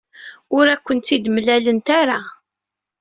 Ur akent-tt-id-mlant ara.